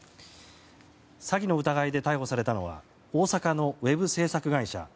詐欺の疑いで逮捕されたのは大阪のウェブ制作会社